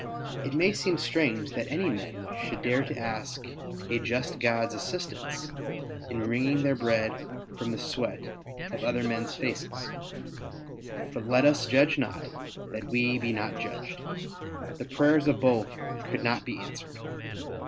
It may seem strange that any men should dare to ask a just God's assistance in wringing their bread from the sweat of other men's faces; but let us judge not, that we be not judged. The prayers of both could not be answered.